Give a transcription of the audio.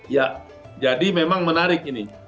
ya jadi memang menarik ini